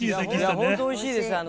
本当においしいです。